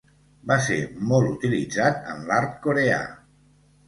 Va ser molt utilitzat en l'art coreà.